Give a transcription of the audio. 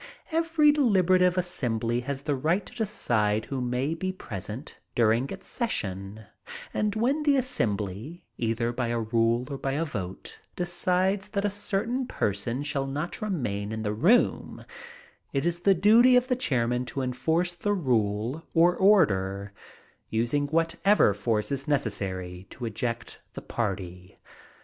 Every deliberative assembly has the right to decide who may be present during its session, and when the assembly, either by a rule or by a vote, decides that a certain person shall not remain in the room, it is the duty of the chairman to enforce the rule or order, using whatever force is necessary to eject the party.